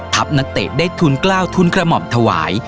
นักเตะได้ทุนกล้าวทุนกระหม่อมถวาย